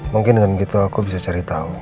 mungkin dengan gitu aku bisa cari tahu